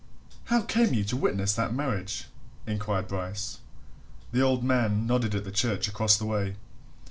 "How came you to witness that marriage?" inquired Bryce. The old man nodded at the church across the way.